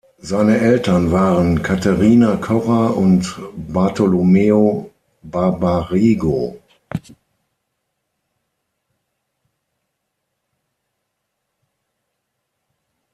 Seine Eltern waren Caterina Correr und Bartolomeo Barbarigo.